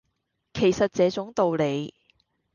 其實這種道理